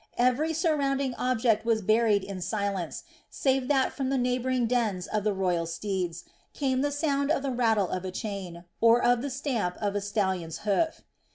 Every surrounding object was buried in silence save that from the neighboring Dens of the royal steeds, came the sound of the rattle of a chain, or of the stamp of a stallion's hoof.